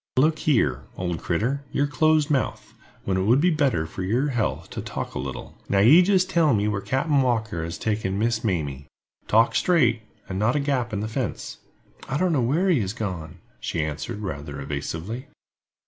"Look here, old critter, you're close mouthed, when it would be better for your health to talk a little. Now, you jist tell me where Captain Walker has taken Miss Mamie. Talk straight, and not a gap in the fence." "I don't know where he has gone," she answered, rather evasively.